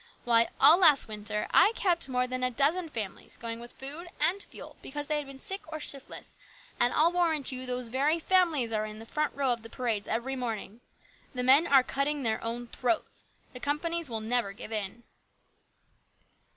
Why, all last winter I kept more than a dozen families going with food and fuel because they had been sick or shiftless, and I'll warrant you those very families are in the front row of the parades every morning ! The men are cutting their own throats. The companies will never give in."